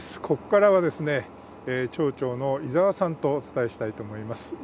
ここからは町長の伊澤さんとお伝えしたいと思います。